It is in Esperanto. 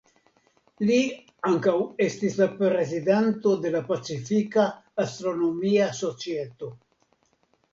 Li ankaŭ estis la prezidanto de la Pacifika Astronomia Societo.